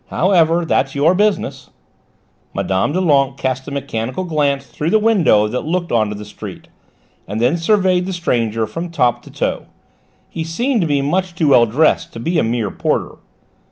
However, that's your business." Mme. Doulenques cast a mechanical glance through the window that looked on to the street, and then surveyed the stranger from top to toe; he seemed to be much too well dressed to be a mere porter.